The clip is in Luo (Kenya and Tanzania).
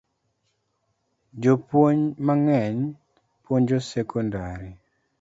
Jopuony mangeny puonjo sekodari